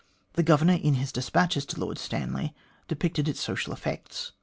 The Governor, in his despatches to Lord Stanley, depicted its social effects.